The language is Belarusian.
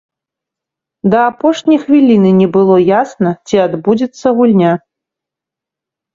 Да апошняй хвіліны не было ясна, ці адбудзецца гульня.